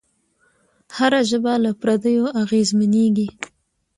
هره ژبه له پردیو اغېزمنېږي.